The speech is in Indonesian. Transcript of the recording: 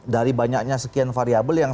dari banyaknya sekian variable yang